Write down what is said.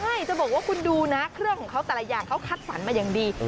ใช่จะบอกว่าคุณดูนะเครื่องของเขาแต่ละอย่างเขาคัดสรรมาอย่างดี